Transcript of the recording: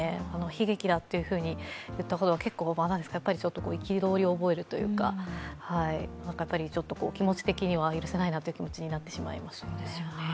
悲劇だというふうに言ったバランス、ちょっと憤りを覚えるというか気持ち的には許せないなという気持ちになってしまいますね。